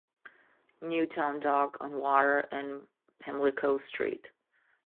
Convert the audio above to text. New Town dock on Water and Pamlico streets.